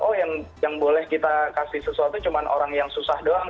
oh yang boleh kita kasih sesuatu cuma orang yang susah doang